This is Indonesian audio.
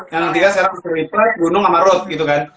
yang ketiga sekarang sepeda lipat gunung sama rod gitu kan